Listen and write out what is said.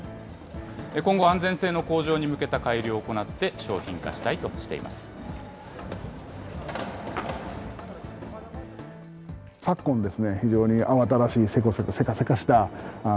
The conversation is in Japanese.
今後、安全性の向上に向けた改良を行って、商品化したいとしています。